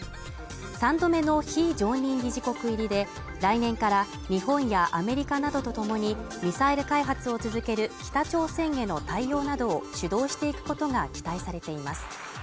３度目の非常任理事国入りで来年から日本やアメリカなどとともにミサイル開発を続ける北朝鮮への対応などを主導していくことが期待されています。